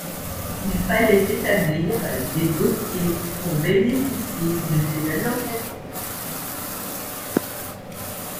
Il fallait établir des dossiers pour bénéficier de ces allocations.